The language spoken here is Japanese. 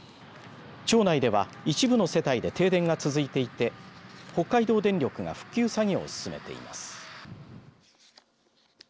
町内では、一部の世帯で停電が続いていて北海道電力が復旧作業を進めています。